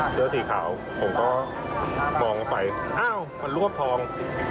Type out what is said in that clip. เสื้อสีขาวผมก็มองเข้าไปอ้าวมันรวบทอง